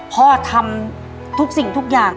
พ่อทำทุกสิ่งทุกอย่าง